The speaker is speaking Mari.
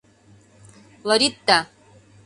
Лоритта!